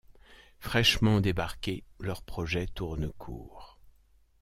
Fraîchement débarqués, leur projet tourne court.